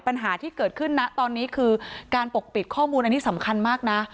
ปัญหาที่เกิดขึ้นนะตอนนี้คือการปกปิดข้อมูลอันนี้สำคัญมากนะ